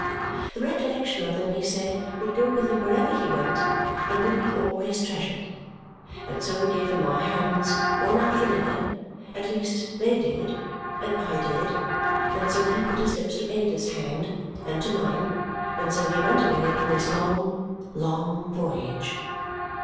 The recollection of them, he said, would go with him wherever he went and would be always treasured. And so we gave him our hands, one after another at least, they did and I did; and so he put his lips to Ada's hand and to mine; and so he went away upon his long, long voyage!